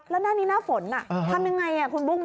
แล้วบ้านที่นี่หน้าฝนทำยังไรคุณบุง